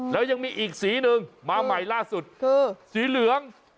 แล้วยังมีอีกสีหนึ่งมาใหม่ล่าสุดคือสีเหลือง